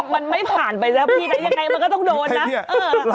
มันไม่ผ่านไปแล้วพี่นะยังไงมันก็ต้องโดนนะ